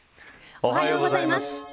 おはようございます。